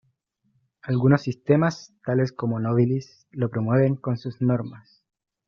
Algunos sistemas, tales como "Nobilis", lo promueven con sus normas.